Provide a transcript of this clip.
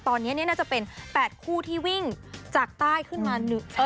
ตอนนี้น่าจะเป็น๘คู่ที่วิ่งจากใต้ขึ้นมา